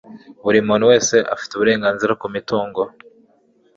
buri muntu wese afite uburenganzira ku mutungo